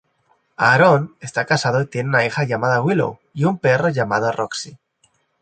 Aaron está casado y tiene una hija llamada Willow, y un perro llamado Roxy.